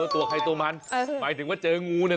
ตัวใครตัวมันหมายถึงว่าเจองูเนี่ย